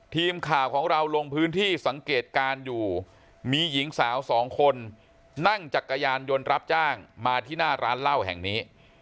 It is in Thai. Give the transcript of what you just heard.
ทีมข่าวของเราลงพื้นที่สังเกตการณ์อยู่มีหญิงสาวสองคนนั่งจักรยานยนต์รับจ้างมาที่หน้าร้านเหล้าแห่งนี้